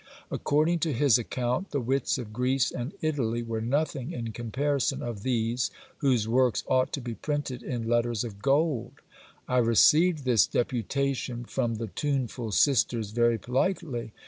According to his account, the wits of Greece and Italy were nothing in comparison of these, whose works ought to be printed in letters of gold. I re ceived this deputation from the tuneful sisters very politely.